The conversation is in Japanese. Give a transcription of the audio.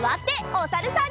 おさるさん。